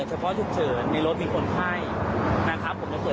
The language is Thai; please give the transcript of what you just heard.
อาจจะติดล้อนะมองไม่เห็นทางเลยพี่